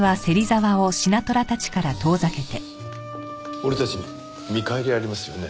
俺たちに見返りありますよね？